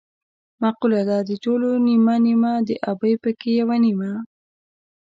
مقوله ده: د ټولو نیمه نیمه د ابۍ پکې یوه نیمه.